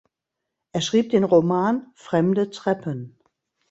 Er schrieb den Roman "Fremde Treppen".